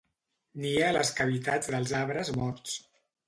Nia a les cavitats dels arbres morts.